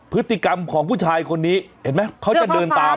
พฤติกรรมของผู้ชายคนนี้เห็นไหมเขาจะเดินตาม